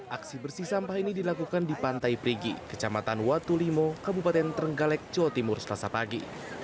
aksi bersih sampah ini dilakukan di pantai perigi kecamatan watulimo kabupaten trenggalek jawa timur selasa pagi